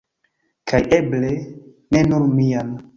Kaj eble, ne nur mian.